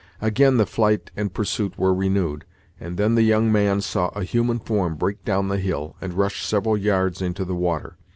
Again the flight and pursuit were renewed, and then the young man saw a human form break down the hill, and rush several yards into the water.